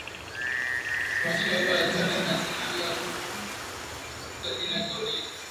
Alimshauri aachane na jina la Supersoul na kutafuta jina jingine